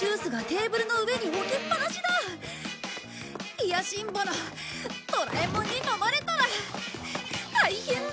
いやしんぼのドラえもんに飲まれたら大変だ！